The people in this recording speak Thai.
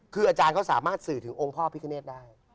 คืออาจารย์เขาสามารถสื่อถึงองค์พ่อพิคเนตได้